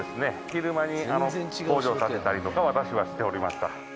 昼間に工場建てたりとか私はしておりました。